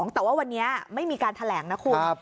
แต่ว่าวันนี้ไม่มีการแถลงนะคุณ